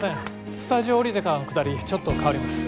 スタジオ降りてからのくだりちょっと変わります。